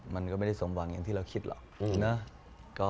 มันก็ไม่ได้สมหวังอย่างที่เราคิดหรอกนะ